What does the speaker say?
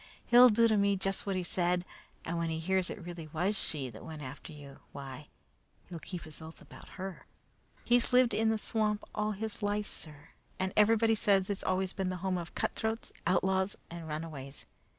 He'll do to me just what he said, and when he hears it really was she that went after you, why, he'll keep his oath about her. "He's lived in the swamp all his life, sir, and everybody says it's always been the home of cutthroats, outlaws, and runaways.